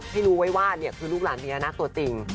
ให้รู้ไว้ว่าคือลูกหลานพญานาคตัวจริง